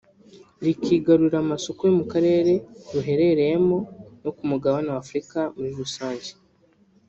rikigarurira amasoko yo mu Karere ruherereyemo no ku mugabane wa Afurika muri rusange